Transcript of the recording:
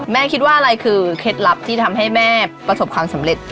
คิดว่าอะไรคือเคล็ดลับที่ทำให้แม่ประสบความสำเร็จ